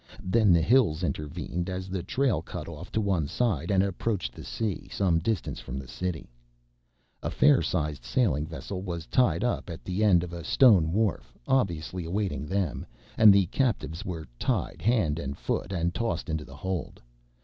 Then the hills intervened as the trail cut off to one side and approached the sea some distance from the city. A fair sized sailing vessel was tied up at the end of a stone wharf, obviously awaiting them, and the captives were tied hand and foot and tossed into the hold.